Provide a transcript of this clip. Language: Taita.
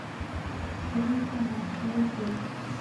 Wika machi mezenyi